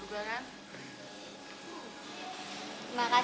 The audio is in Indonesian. kira sampai juga kan